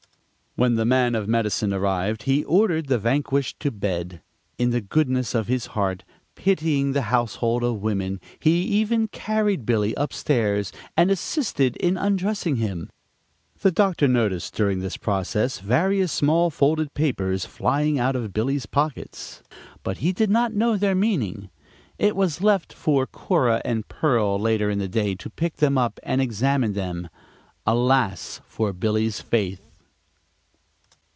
When the man of medicine arrived he ordered the vanquished to bed. In the goodness of his heart, pitying the household of women, he even carried Billy upstairs and assisted in undressing him. The doctor noticed during this process various small folded papers flying out of Billy's pockets, but he did not know their meaning. It was left for Cora and Pearl, later in the day, to pick them up and examine them. Alas for Billy's faith!